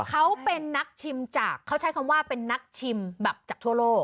เขาเป็นนักชิมจากเขาใช้คำว่าเป็นนักชิมแบบจากทั่วโลก